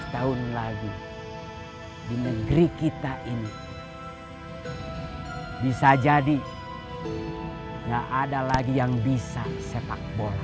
lima belas tahun lagi di negeri kita ini bisa jadi gak ada lagi yang bisa sepak bola